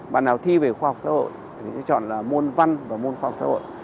bạn nào thi về khoa học xã hội thì phải chọn là môn văn và môn khoa học xã hội